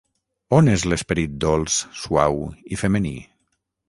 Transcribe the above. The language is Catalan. On és l'esperit dolç, suau i femení?